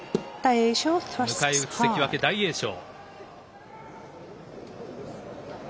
迎え撃つ関脇・大栄翔。